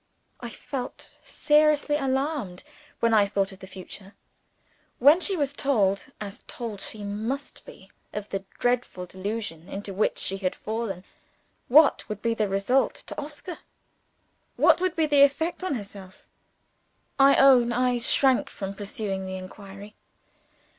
I felt seriously alarmed when I thought of the future. When she was told as told she must be of the dreadful delusion into which she had fallen, what would be the result to Oscar? what would be the effect on herself? I own I shrank from pursuing the inquiry.